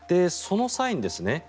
その際にですね